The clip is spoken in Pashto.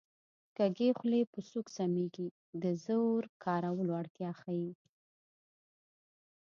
کږې خولې په سوک سمېږي د زور کارولو اړتیا ښيي